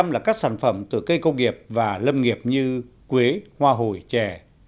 một mươi là các sản phẩm từ cây công nghiệp và lâm nghiệp như quế hoa hồi chè